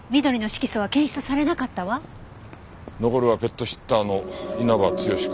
残るはペットシッターの稲葉剛か。